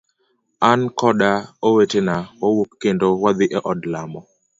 An koda owetena wawuok kendo wadhi e od lamo.